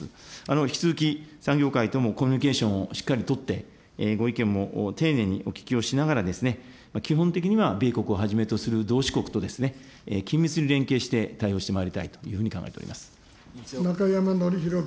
引き続き産業界ともコミュニケーションをしっかり取って、ご意見も丁寧にお聞きをしながら、基本的には米国をはじめとする同志国と、緊密に連携して対応してまいりたいというふうに考えておりま中山展宏君。